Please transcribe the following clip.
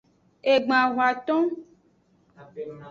Egban hoton.